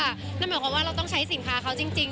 นั่นหมายความว่าเราต้องใช้สินค้าเขาจริง